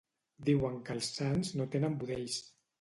Diuen que els sants no tenen budells.